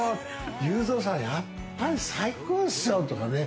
裕三さん、やっぱり最高ですよ！とかね。